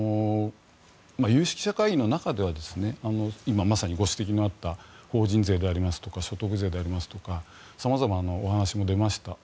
有識者会議の中では今、まさにご指摘のあった法人税でありますとか所得税でありますとか様々なお話も出ました。